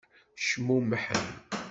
Cmumḥen.